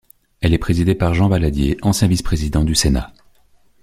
Elle est présidée par Jean Valadier, ancien vice-président du Sénat.